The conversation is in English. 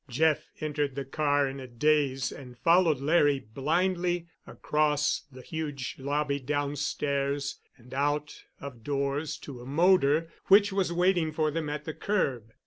Jeff entered the car in a daze and followed Larry blindly across the huge lobby downstairs and out of doors to a motor which was waiting for them at the curb.